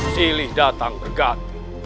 silih datang ke gat